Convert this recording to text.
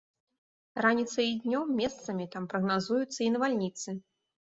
Раніцай і днём месцамі там прагназуюцца і навальніцы.